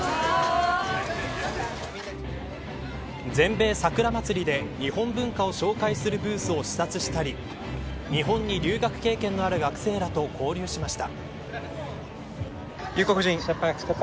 全米桜祭りで日本文化を紹介するブースを視察したり日本に留学経験のある学生らと交流しました。